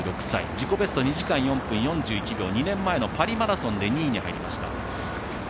自己ベスト、２時間４分４１秒２年前のパリマラソンで２位に入りました。